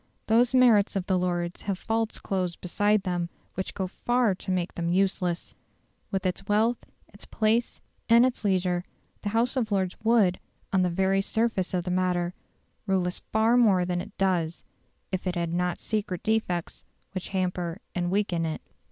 Those merits of the Lords have faults close beside them which go far to make them useless. With its wealth, its place, and its leisure, the House of Lords would, on the very surface of the matter, rule us far more than it does if it had not secret defects which hamper and weaken it.